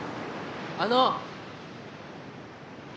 あの！